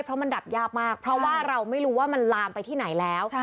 เพราะมันดับยากมากเพราะว่าเราไม่รู้ว่ามันลามไปที่ไหนแล้ว